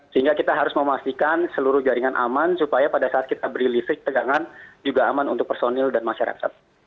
sehingga kita harus memastikan seluruh jaringan aman supaya pada saat kita beri listrik tegangan juga aman untuk personil dan masyarakat